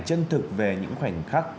chân thực về những khoảnh khắc